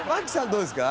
どうですか？